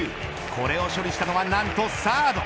これを処理したのは何とサード。